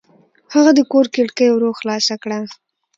هغه د کور کړکۍ ورو خلاصه کړه.